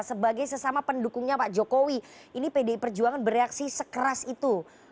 sebagai sesama pendukungnya pak jokowi ini pdi perjuangan bereaksi sekeras itu